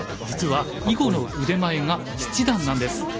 実は囲碁の腕前が７段なんです。